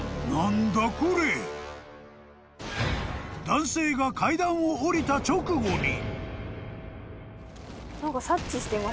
［男性が階段を下りた直後に］